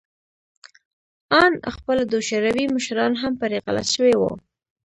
آن خپله د شوروي مشران هم پرې غلط شوي وو